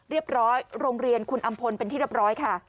เรียบร้อยโรงเรียนคุณอำพลเป็นที่เรียบร้อยค่ะ